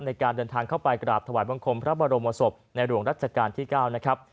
ในการเดินทางเข้าไปกราบถวายบังคมพระบรมศพในหลวงรัชกาลที่๙นะครับ